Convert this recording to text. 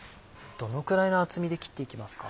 どのくらいの厚みで切っていきますか？